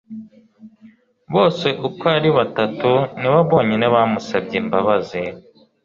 bose uko ari batatu ni bo bonyine bamusabye imbabazi